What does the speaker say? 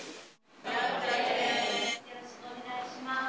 よろしくお願いします。